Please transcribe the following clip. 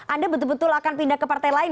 anda betul betul akan pindah ke partai lain